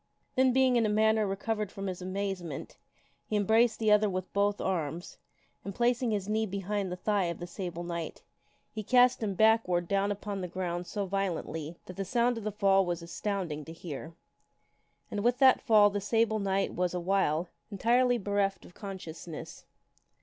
Then, being in a manner re covered from his amazement, he embraced the other with both arms, and placing his knee behind the thigh of the Sable Knight, he cast him backward down upon the ground so violently that the sound of the fall was astounding to hear. And with that fall the Sable Knight was, awhile, en tirely bereft of consciousness.